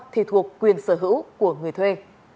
thì thuộc quyền sở hữu của người thuê